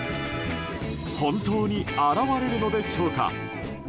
本当に現れるのでしょうか。